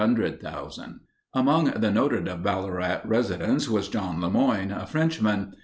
Among the noted of Ballarat residents was John LeMoyne, a Frenchman.